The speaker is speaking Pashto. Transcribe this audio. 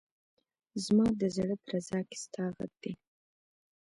زما ده زړه درزا کي ستا غږ دی